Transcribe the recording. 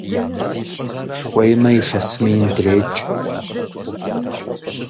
Хуеймэ илъэс мин дрекӀ!